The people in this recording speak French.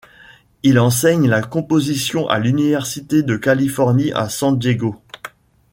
Il enseigne la composition à l'Université de Californie à San Diego.